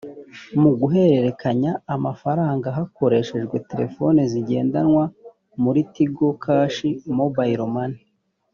mu guhererekanya amafaranga hakoreshejwe telefoni zigendanwa muri tigo cash mobile money